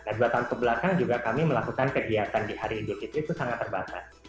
nah dua tahun kebelakang juga kami melakukan kegiatan di hari idul fitri itu sangat terbatas